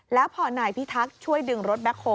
แล้วพอนายพิทักษ์ช่วยดึงรถแคคโฮล